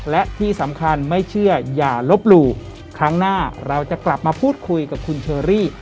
และที่สำคัญไม่เชื่ออย่าลบหลู่ครั้งหน้าเราจะกลับมาพูดคุยกับคุณเชอรี่